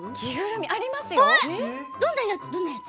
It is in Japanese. どんなやつ？